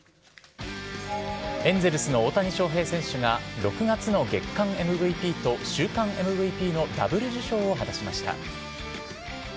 エンゼルスの大谷翔平選手が、６月の月間ＭＶＰと週間ＭＶＰのダブル受賞を果たしました。